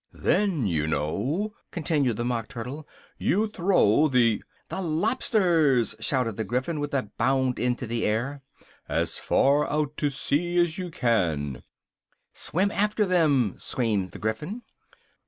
"Then, you know," continued the Mock Turtle, "you throw the " "The lobsters!" shouted the Gryphon, with a bound into the air. "As far out to sea as you can " "Swim after them!" screamed the Gryphon.